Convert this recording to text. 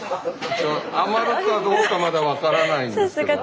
余るかどうか分からないんですけど。